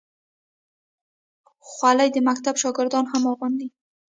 خولۍ د مکتب شاګردان هم اغوندي.